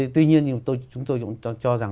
tuy nhiên chúng tôi cũng cho rằng